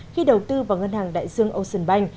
khi đầu tư vào ngân hàng đại dương ocean bank